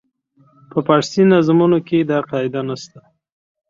په فارسي نظمونو کې دا قاعده نه شته.